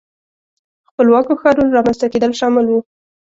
خپلواکو ښارونو رامنځته کېدل شامل وو.